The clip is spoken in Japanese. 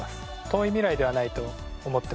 遠い未来ではないと思ってます。